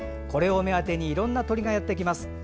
これを目当てにいろんな鳥がやってきます。